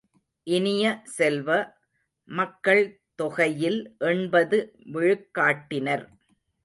இனிய செல்வ, மக்கள் தொகையில் எண்பது விழுக்காட்டினர்.